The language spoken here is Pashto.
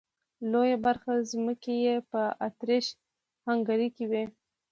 لويه برخه ځمکې یې په اتریش هنګري کې وې.